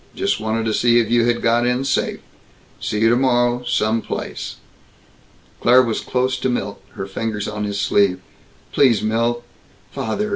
Just wanted to see if you had got in safe. See you tomorrow, some place." Claire was close to Milt, her fingers on his sleeve. "Please, Milt! Father!